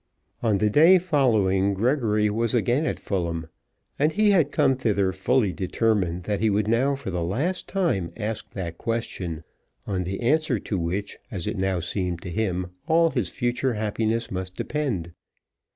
On the day following Gregory was again at Fulham, and he had come thither fully determined that he would now for the last time ask that question, on the answer to which, as it now seemed to him, all his future happiness must depend.